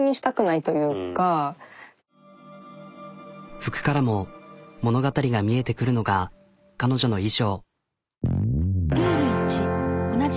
服からも物語が見えてくるのが彼女の衣装。